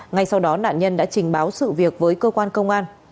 ngay sau đó nạn nhân đã trình báo sự việc với cơ quan công an